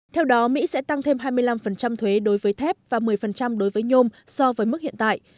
theo đó mỹ sẽ tăng thêm hai mươi năm thuế đối với thép và một mươi đối với nhôm so với mức hiện tại